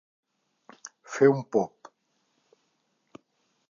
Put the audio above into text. Fer un pop.